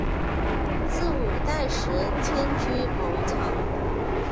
至五代时迁居蒙城。